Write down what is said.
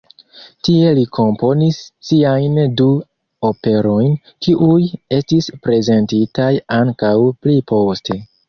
Tie li komponis siajn du operojn, kiuj estis prezentitaj ankaŭ pli poste.